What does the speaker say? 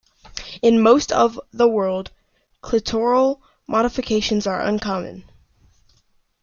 In most of the world, clitoral modifications are uncommon.